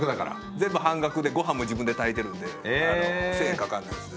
全部半額でごはんも自分で炊いてるんで１，０００円かかんないですね。